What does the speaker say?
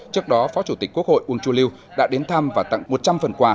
trước đó phó chủ tịch quốc hội uông chu liêu đã đến thăm và tặng một trăm linh phần quà